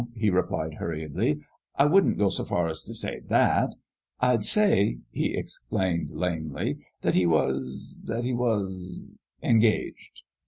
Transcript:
he replied, hurriedly, "I wouldn't go so far as t' say that. I'd say," he explained, lamely, " that he was that he was engaged."